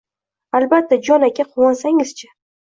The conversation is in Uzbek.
Albatta, jon aka, quvonsangiz-chi!